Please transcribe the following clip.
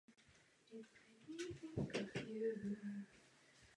Přijetí kritikou bylo vesměs pozitivní.